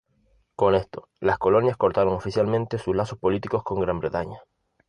Con esto, las colonias cortaron oficialmente sus lazos políticos con Gran Bretaña.